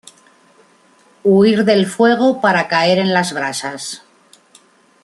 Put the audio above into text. Huir del fuego para caer en las brasas